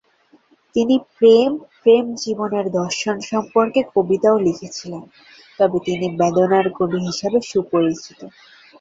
তিনি প্রেম, প্রেম জীবনের দর্শন সম্পর্কে কবিতাও লিখেছিলেন, তবে তিনি বেদনার কবি হিসাবে সুপরিচিত।